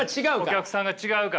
お客さんが違うから。